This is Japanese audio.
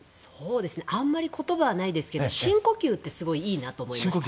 あまり言葉はないですけど深呼吸ってすごいいいなと思いました。